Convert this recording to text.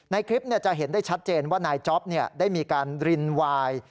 ในคลิปจะเห็นได้ชัดเจนว่านายจ๊อปได้มีการรินวาย